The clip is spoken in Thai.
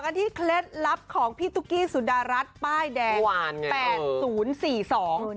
นี่เคล็ดลับของพี่ตุ๊กกี้สุดรัสป้ายแดง